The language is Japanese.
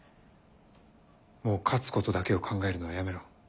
もう勝つことだけを考えるのはやめろ。